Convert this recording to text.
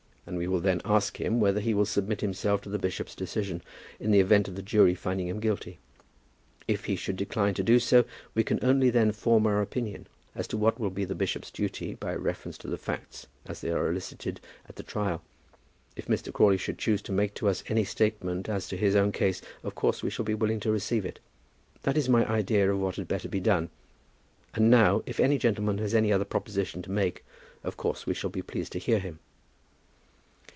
And we will then ask him whether he will submit himself to the bishop's decision, in the event of the jury finding him guilty. If he should decline to do so, we can only then form our opinion as to what will be the bishop's duty by reference to the facts as they are elicited at the trial. If Mr. Crawley should choose to make to us any statement as to his own case, of course we shall be willing to receive it. That is my idea of what had better be done; and now, if any gentleman has any other proposition to make, of course we shall be pleased to hear him."